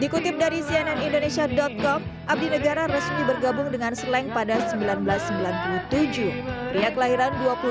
dikutip dari cnn indonesia com abdi negara resmi bergabung dengan slang pada seribu sembilan ratus sembilan puluh tujuh pria kelahiran dua puluh delapan